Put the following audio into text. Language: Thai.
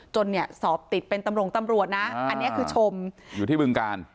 เนี่ยสอบติดเป็นตำรวจตำรวจนะอันนี้คือชมอยู่ที่บึงการ